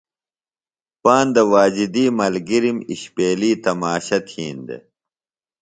پاندہ واجدی ملگِرِم اِشپیلیۡ تماشہ تِھین دےۡ۔